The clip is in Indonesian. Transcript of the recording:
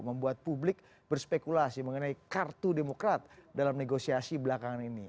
membuat publik berspekulasi mengenai kartu demokrat dalam negosiasi belakangan ini